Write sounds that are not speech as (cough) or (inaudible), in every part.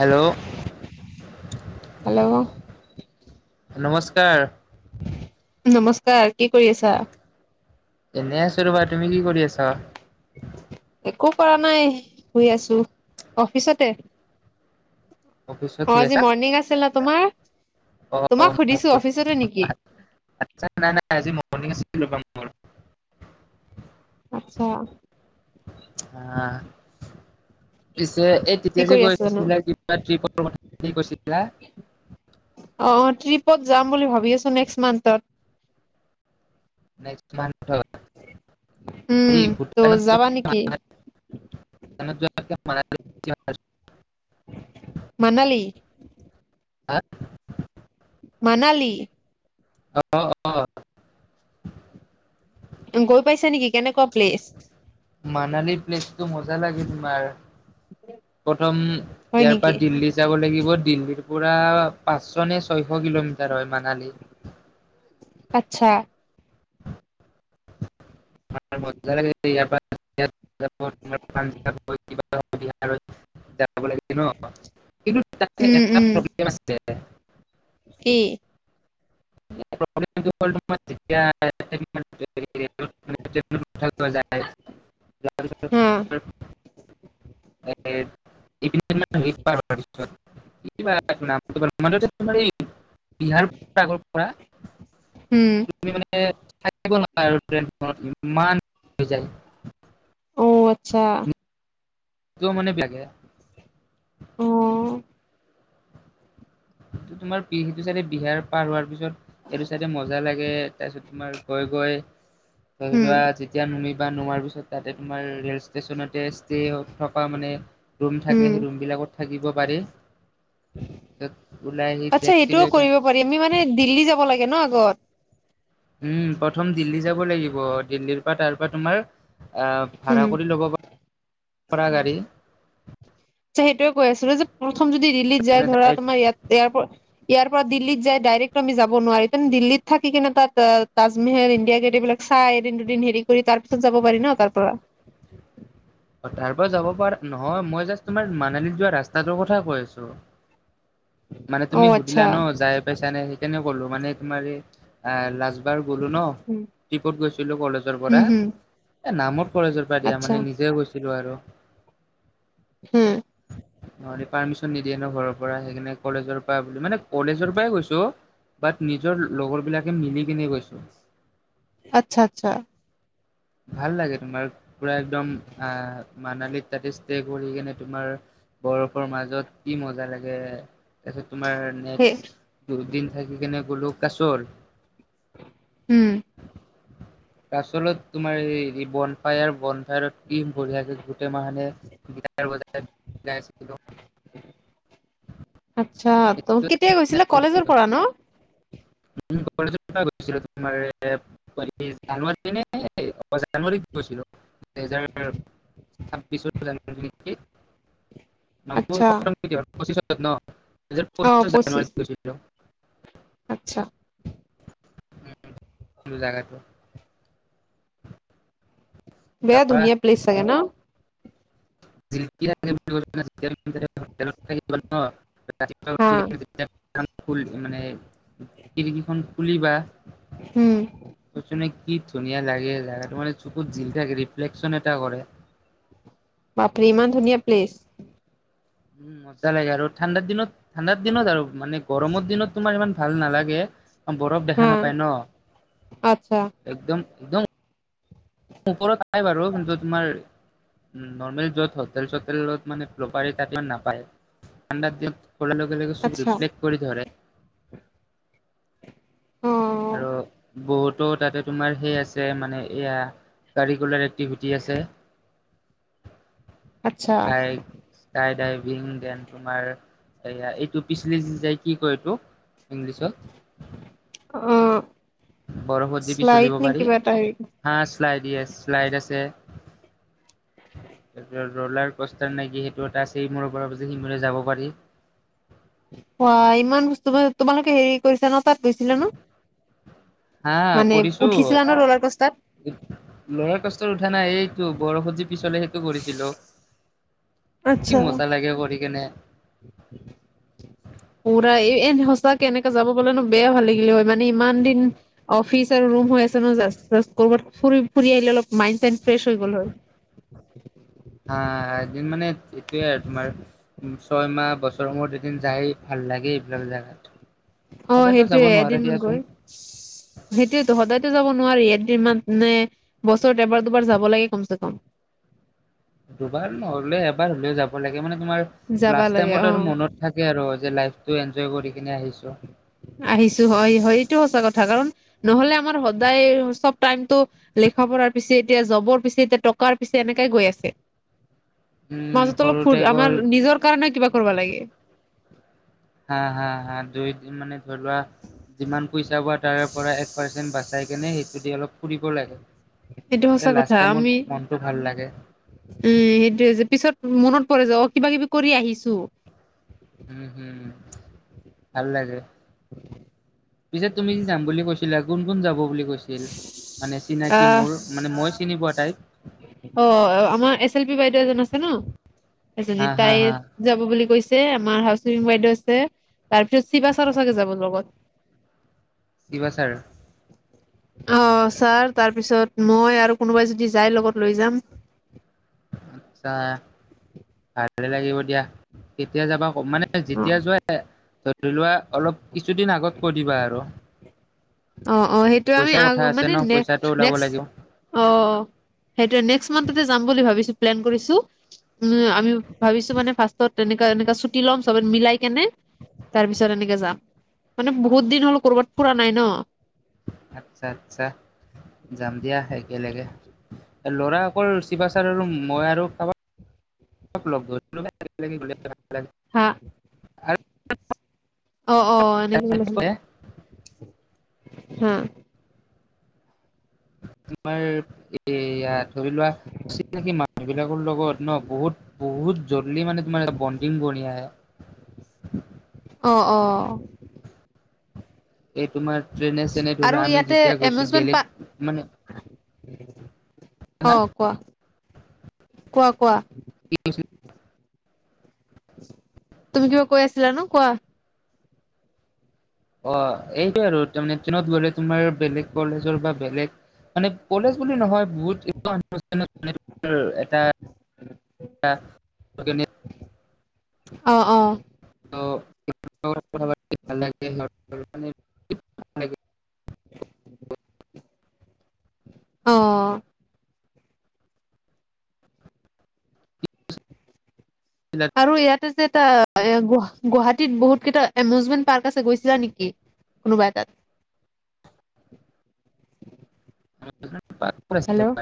Hello hello নমস্কাৰ নমস্কাৰ, কি কৰি আছা? এনে আছো ৰবা, তুমি কি কৰি আছা? একো কৰা নাই, শুই আছো। অফিচতে? অফিচত অ শুই আজি আছা মৰ্ণিং আছিল ন, তোমাৰ? অ অ তোমাক মোক সুধিছো কৈছে অফিচতে নেকি (unintelligible) আজি মৰ্ণিং আছিল ৰবা মোৰ আত্চ্ছা। আহ। পিছে এই কি তেতিয়া যে কৰি আছা নো কৈছিলা কিবা ট্ৰিপৰ কথা কি কৈছিলা? (inaudible) অ অ ট্ৰিপত যাম বুলি ভাবি আছোঁ নেক্স মান্থত। নেক্স মান্থত, উম সেই ত' ভূটানত যাবা নেকি (unintelligible) (unintelligible) মানালি। হা। মানালি। (inaudible) গৈ পাইছা নিকি? কেনেকুৱা প্লেচ? মানালী প্লেচতটো মজা লাগে তোমাৰ। প্ৰথম হয় ইয়াৰ নেকি পৰা দিল্লী যাব লাগিব, দিল্লীত পুৰা পাঁচশ নে ছয়শ কিলোমিটাৰ হয়, মানালী। আচ্ছা। (unintelligible) (unintelligible) উম উম (inaudible) কি? (unintelligible) (unintelligible) হা (unintelligible) (unintelligible) (unintelligible) বিহাৰ আগৰ পৰা তুমি মানে থাকিব উম নাপায় আৰু ট্ৰেনখনত ইমান যায়। অ আচ্ছা (unintelligible) অ'। টো, তোমাৰ (unintelligible) চাইডে বিহাৰ পাৰ হোৱাৰ পিছত এইটো চাইডে মজা লাগে, তাৰপিছত তোমাৰ উম (unintelligible) যেতিয়া নোমিবা নোমাৰ পাছত তাতে তোমাৰ ৰেল ষ্টেচনতে ষ্টে (unintelligible) থকা মানে ৰুম থাকে, উম সেই ৰুম বিলাকত থাকিব পাৰি। তাৰপিছত ওলাই আহি আচছা, টেক্সি এইটোও লৈ কৰিব কিনে পাৰি আমি মানে দিল্লী যাব লাগে ন' আগত। উম, প্ৰথম দিল্লী যাব লাগিব, দিল্লীৰ পা তাৰপা তোমাৰ অ', ভাড়া উম কৰি ল'ব (inaudible) গাড়ী। সেইটোৱে কৈ আছিলোঁ যে, প্ৰথম যদি দিল্লীত যায় ধৰা ডাইৰেক্ট তোমাৰ ইয়াত ইয়াৰ‌ প ইয়াৰ পৰা দিল্লীত যায় ডাইৰেক্ট আমি যাব নোৱাৰি, তেনে, দিল্লীত থাকি কিনে তাত তা-তাজমেহল, ইণ্ডিয়াগেট এইবিলাক চাই এদিন, দুদিন হেৰি কৰি তাৰ পিছত যাব পাৰি ন' তাৰ পৰা? তাৰ পৰা যাব পাৰ, নহয় মই জাষ্ট তোমাৰ মানালীত যোৱা ৰাস্তাটোৰ কথা কৈ আছো। মানে অ তুমি আচ্ছা সুধিলা ন যাই পাইছ নে? সেইকাৰণে ক'লো মানে তোমাৰ এই ৰাজ এবাৰ গ'লো ন', উম ট্ৰিপত গৈছিলো কলেজৰ হম পৰা। হম এ নামৰূপ কলেজৰ পৰা দিয়া, আচ্ছা মানে নিজে গৈছিলো আৰু। হম ন পাৰ্মিশন নিদিয়ে ন ঘৰৰ পৰা সেইকাৰণে কলেজৰ পৰা বুলি মানে কলেজৰ পৰাই গৈছো বাট নিজৰ লগৰ বিলাকে মিলি কিনে গৈছো আচ্ছা আচ্ছা ভাল লাগে তোমাৰ পুৰা একদম আহ মানালিত ততে ষ্ট কৰি কিনে তোমাৰ বৰফৰ মাজত কি মজা লাগে তাৰত তোমাৰ সেই নেক্স দুদিন থাকি কেনে গ'লো কাছল উম আচলত তোমাৰ এই বন ফায়াৰ বন তম বঢ়িয়াই আছিল গোটেই মাহে গ বজ (unintelligible) আচ্ছা ত কেতিয়া গৈছিলা কলেজৰ পৰা ন কলে গৈছিলো তোমাৰ জানুৱাৰী নে জানুৱাৰীত গৈছিলোজাৰ ছাব্বিছৰ জানুৱাৰীক আচ্ছা নমোৰ পঁচিছাজ ন পঁচিছ জানাৰীৈছিল (unintelligible) আচ্ছা জাগাটো বেয়া তাৰপৰা ধুনীয়া প্লেছ হাগে না (unintelligible) ৰাতিপুৱা হা উ মানে ৰিকিখন খুলি বা উম ুনে কি ধুনীয়া লাগে জা মানে চুোকুৰ িল থাকফ্লেকন এটা কৰে বাপৰে ইমান ধুনীয়া প্লেচ উম মজ্জা লাগে আৰু ঠাণ্ডাৰ দিনত ঠাণ্ডাত দিনত আৰু মানে গৰমৰ দিনত তোমাৰ ইমান ভাল নালাগে বৰফ দেখা হা নাপায় আচ্ছা ন একদম একদম ওপৰত নাই বাৰু কিন্তু তোমাৰ নৰ্মেল য'ত হোটেল চোটেলত মানে প্ৰপাৰী তাত নাপায় ঠাণ্ডা দিনত কৰাৰ লগে লগে আচ্ছা চখফ্লেক্ কৰি ধৰে অ আৰু বহুতো তাতে তোমাৰ সেই আছে মানে এয়া কাৰিকুলাৰ এক্টিভিটি আছে আচ্ছা কাই স্কাই ডাইভিং দেন তোমাৰ য়া এইটো পিছলি যাই কি কয় তোক ইংলিছত অ ব বৰষুত জীপি চলিব শ্লাইড নে পাৰি কিবা এটা হেৰি হা শ্লাইড শ্লাইড আছে (unintelligible) তাৰপিছ ৰলাৰ কষ্টাৰ নাই কিি সেইটো এটা আছে ই মূৰ পৰা সি মূৰে যাব পাৰি (unintelligible) অ ইমান বস্তু তোমালোকে হেৰি কৰিছা ন তাত গৈছিলা ন হা মানে কৰিছো উঠিছিলা ন ৰলাৰ কষ্টাত লৰা কষ্টত উঠা নাই এই টো বৰষুত দিি পিছলে সেইটো কৰিছিলো কি মজা লাগে কৰি কেনে পুৰা এই এনে সচাকে এনেকে যাব বলে নো বেয়া ভাল লাগিলে হয় মানে ইমান দিন অফিচ ৰুম হৈ আছে নাত ফু ফুৰি আহ অলপ মাইড চ ফ্ৰ হৈ গল হয় (unintelligible) হা এদিন মানে এইটোয়ে আৰু তোমাৰ ছয় মাহ বছৰৰ মূৰত এদিন যায় ভাল লাগে এইবিলাক জেগাত অ সদায়তো যাব সেইটোয়ে নোৱাৰে এদিন দিয়াচোন গৈ সেইটোয়ো সদায়তো যাব নোৱাৰি এদিন মানে বছৰত এবাৰ দুবাৰ যাব লাগে কম চে কম দুবাৰ নহ'লে এবাৰ হ'লেও যাব লাগে মানে তোমাৰ যাবা লাষ্ট লাগে অ টাইমত আৰু মনত থাকে আৰু যে লাইফটো এনজয় কৰি কিনে আহিছো আহিছো হয় হয় এইটো সঁচা কথা কাৰণ নহলে আমাৰ সদায় চব টাইমটো লেখ বৰাৰ পিছে এতিয়া জবৰ পিছে এতিয়া টকাৰ পিছে এনেকাই গৈ আছে অ মাজত অলপ ফুৰ আমাৰ নিজৰ কাৰণে কিবা কৰিব লাগে হা হা হা দুই মানে ধৰি লোৱা যিমান পইচা পোৱা তাৰ পৰা এক পাৰ্চেন্ট বাচি চাই কেনে সেইটো দি অলপ ফুৰিব লাগে সেইটো তেতিয়া সঁচা লাষ্ট কথা টাইমত আমি মনটো ভাল লাগে উম সেইটোয়ে যে পিছত মনত যা অ কিবা কিবি কৰি আহিছো উম হম ভাল লাগে পিছে তুমি যাম বুলি কৈছিলা কোন কোন যাব বুলি গৈছিল মানে চিনাকি আহ মোৰ মানে মই চিনি পোৱা টাইপ অ আমাৰ এছ এল পি বাইদেউ এজন আছে ন এজনী হা হা তাই হা যাব বুলি কৈছে আমাৰ হাউচিং বাইদেউ আছে তাৰ পিছত শিৱাচাৰো চাগে যাব লগত শিৱা ছাৰ অ ছাৰ তাৰপিছত মই আৰু কোনোবাই যদি যাই লগত লৈ যাম আচ্ছা ভালে লাগিব দিয়া যেতিয়া যাবা কবা মানে অ যেতিয়া যোৱা ধৰি লোৱা অলপ কিছুদিন আগত কৈ দিবা আৰু অ অ সেইটো আমি পইচা অ কথা আছে মানে ন নেক্ পইচাটো ওলাব নেস্ক লাগিব। অ সেইটোয়ে নেক্সট মান্থতে যাম বুলি ভাবিছো প্লেন কৰিছো উম আমি ভাবিছো মানে ফাষ্টত এনেকা এনেকামানে চুটি লম চবে মিলাই কেনে তাৰ পিছত এনেকে যাম মানে বহুত দিন হ'ল কৰ'বাত ফুৰা নাই ন আচ্ছা আচ্ছা যাম দিয়া একেলগে ল'ৰা অকল চি- চিবাচাৰ আৰু মই আৰু কাবাক লগ ধৰি ললে ভাল লাগিল হলে হা আৰু অ অ আনে তোমাৰ হা তোমাৰ এইয়া ধৰি লোৱা চিনাকি মানুহ বিলাকৰ লগত ন বহুত বহুত হলে মানে তোমাৰ বন্ডিং বঢ়িয়া আহে অ অ এই তোমাৰ ট্ৰেনে চেনে ধৰি আৰু লোৱা আমি ইয়াতে যেতিয়া গৈছো এমুজমেন্ট বেলেগ পাৰ্ক মানে অ হা কোৱা কোৱা কোৱা কি তুমি কিবা কৈ আছিলা ন কোৱা অ এইটোয়ে আৰু তাৰমানে ট্ৰেনত গলে তোমাৰ বেলেগ কলেজৰ বা বেলেগ মানে কলেজ বুলি নহয় বহুত অনুষ্ঠান আছে মান এটা অহ অ অ ল (unintelligible) উ (unintelligible) অ আৰু ইয়াতে যে এটা গুৱা গুৱাহাটীত বহুত কেইটা এমিউজমেন্ট পাৰ্ক আছে গৈছিলা নিকি কোনোবা তাত (unintelligible) হেল্ল'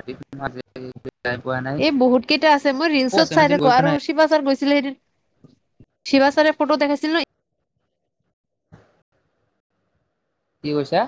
পোৱা নাই এই বহুত কেইটা আছে মই ক'ত ৰিলচত আছে মই চাই আজি গৈ থাকো পোৱা আৰু নাই শিৱাচাৰ গৈছিলে শিৱাচাৰ ফটো দেখাইছিলো কি কৈছা